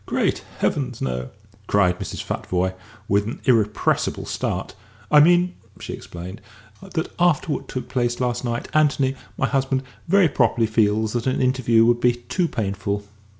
"Great heavens, no!" cried Mrs. Futvoye, with an irrepressible start; "I mean," she explained, "that, after what took place last night, Anthony my husband very properly feels that an interview would be too painful."